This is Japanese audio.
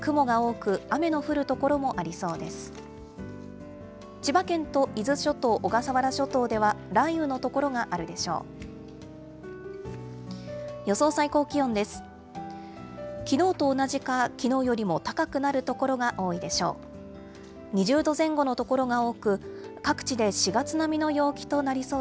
きのうと同じかきのうよりも高くなる所が多いでしょう。